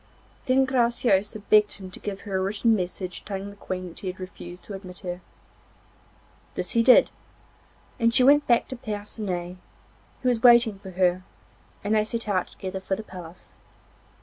Then Graciosa begged him to give her a written message telling the Queen that he had refused to admit her. This he did, and she went back to Percinet, who was waiting for her, and they set out together for the palace.